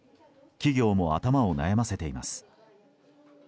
企業も頭を悩ませています。